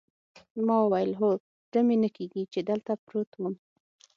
ما وویل: هو، زړه مې نه کېږي چې دلته پروت وم.